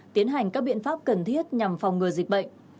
tiến hành các biện pháp cần thiết nhằm phòng ngừa dịch bệnh